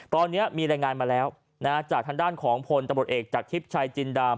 ตอนนี้มีรายงานมาแล้วจากทางด้านของพลตำรวจเอกจากทิพย์ชัยจินดาม